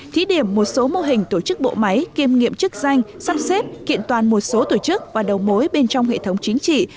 thí điểm một số mô hình tổ chức bộ máy kiêm nghiệm chức danh sắp xếp kiện toàn một số tổ chức và đầu mối bên trong hệ thống chính trị